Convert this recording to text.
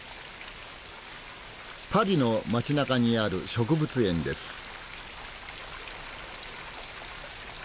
パリの街なかにある植物園です。